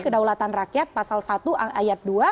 kedaulatan rakyat pasal satu ayat dua